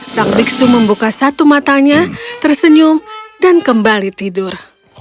sang biksu membuka satu matanya tersenyum dan kembali tidur